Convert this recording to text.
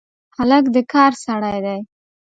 هلک د کار سړی دی.